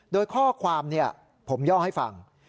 โดยข้อความผมย่อให้ฟัง